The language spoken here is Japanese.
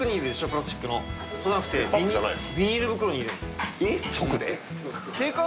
プラスチックのそうじゃなくてビニール袋に入れるんですよえっ